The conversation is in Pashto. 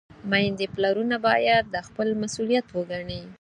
میندې، پلرونه باید دا خپل مسؤلیت وګڼي.